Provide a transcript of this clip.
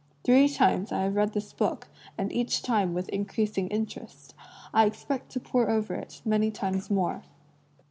Three times I have read this book, and each time with increasing interest. I expect to pore over it XIV INTRODUCTION many times more.